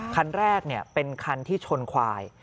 คันแรกเป็นคันที่ชนควาย